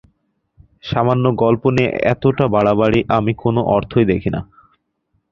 সামান্য গল্প নিয়ে এতটা বাড়াবাড়ির আমি কোনো অর্থ দেখি না।